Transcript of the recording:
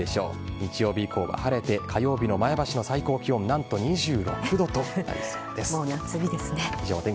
日曜日以降は晴れて火曜日の前橋の最高気温はなんと２６度となりそうです。